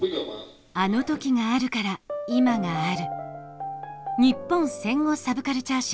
あの時があるから今がある。